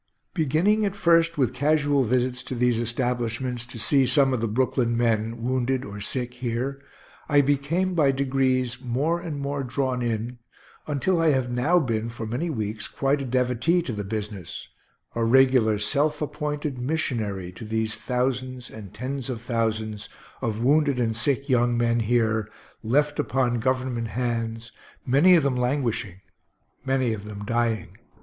Beginning at first with casual visits to these establishments to see some of the Brooklyn men, wounded or sick, here, I became by degrees more and more drawn in, until I have now been for many weeks quite a devotee to the business a regular self appointed missionary to these thousands and tens of thousands of wounded and sick young men here, left upon Government hands, many of them languishing, many of them dying.